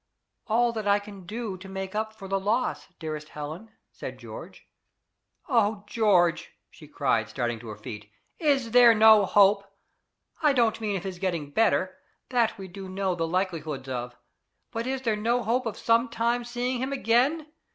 "All that I can do to make up for the loss, dearest Helen," said George, "Oh George!" she cried, starting to her feet, "is there NO hope? I don't mean of his getting better that we do know the likelihoods of but is there no hope of SOME TIME seeing him again?